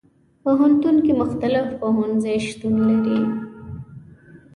پوهنتون کې مختلف پوهنځي شتون لري.